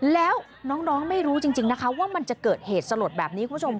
แล้วน้องไม่รู้จริงนะคะว่ามันจะเกิดเหตุสลดแบบนี้คุณผู้ชม